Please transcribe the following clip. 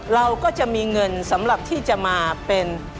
เราก็จะมีเงินสำหรับที่จะมาเป็น